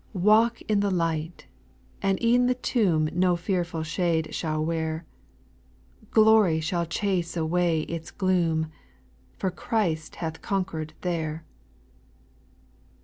4. Walk in the light I 'and e'en the tomb No fearful shade shall wear ; Glory shall chase away its gloom, For Christ hath conquered there.